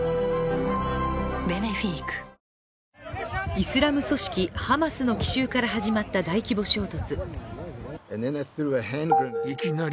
イスラム組織ハマスの奇襲から始まった大規模衝突。